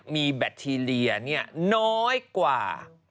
มีแบคทีเรียนเนี่ยน้อยกว่า